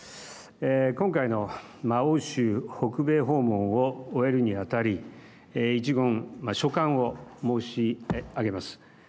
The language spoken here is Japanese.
今回の欧州、北米訪問を終えるにあたり一言、所感を申し上げます。